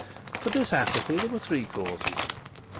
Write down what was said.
For this apathy there were three causes.